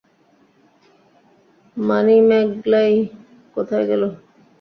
মানিমেগলাই কোথায় গেল?